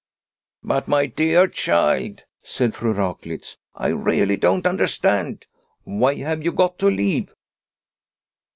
" But, my dear child," said Fru Raklitz, " I really don't understand. Why have you got to leave